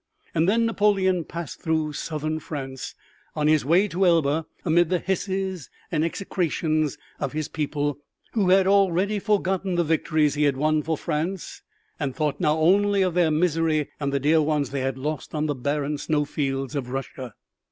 And then Napoleon passed through southern France on his way to Elba amid the hisses and execrations of his people, who had already forgotten the victories he had won for France and thought now only of their misery and the dear ones they had lost on the barren snow fields of Russia.